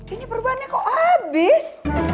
ini perbannya kok habis